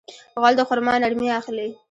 غول د خرما نرمي اخلي.